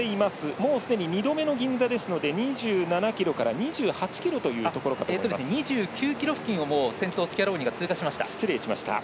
もう、すでに２度目の銀座ですので２７ｋｍから２８ｋｍ２９ｋｍ付近を先頭、スキャローニが通過しました。